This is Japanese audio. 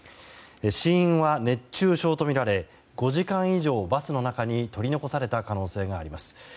死因は熱中症とみられ５時間以上、バスの中に取り残された可能性があります。